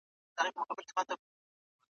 په سره ټاکنده غرمه کي